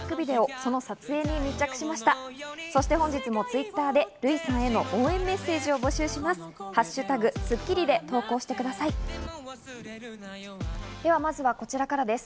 そして本日もＴｗｉｔｔｅｒでＲＵＩさんへの応援メッセージを募集します。